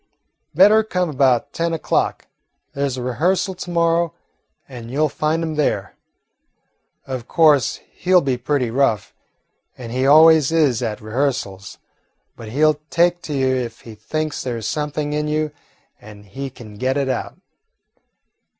"Better come about ten o'clock. There 's a rehearsal to morrow, and you 'll find him there. Of course, he 'll be pretty rough, he always is at rehearsals, but he 'll take to you if he thinks there 's anything in you and he can get it out."